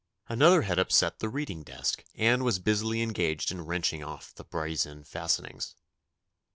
Another had upset the reading desk, and was busily engaged in wrenching off the brazen fastenings.